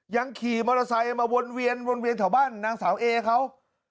ยังขี่มอเตอร์ไซค์มาวนเวียนวนเวียนแถวบ้านนางสาวเอเขา